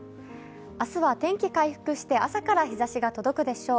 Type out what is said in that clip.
明日は天気回復して朝から日ざしが届くでしょう。